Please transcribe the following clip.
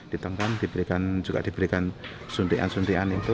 ditekan juga diberikan suntian suntian itu